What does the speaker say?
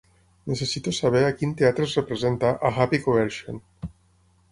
Necessito saber a quin teatre es representa A Happy Coersion